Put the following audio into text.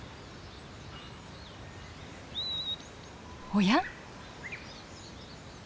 おや？